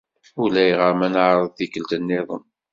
Ulayɣer ma neɛreḍ tikkelt niḍen.